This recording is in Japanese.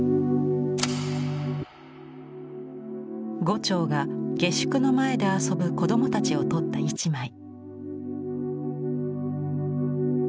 牛腸が下宿の前で遊ぶ子どもたちを撮った一枚。